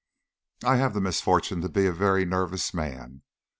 I have the misfortune to be a very nervous man.